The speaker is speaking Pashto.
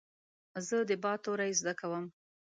زه د "ب" توری زده کوم.